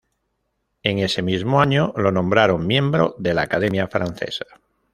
En ese mismo año lo nombraron miembro de la Academia Francesa.